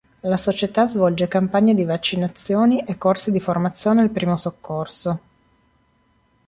La società svolge campagne di vaccinazioni e corsi di formazione al primo soccorso.